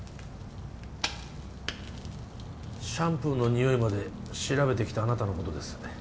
シャンプーの匂いまで調べてきたあなたのことです